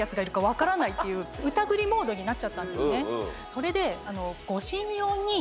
それで。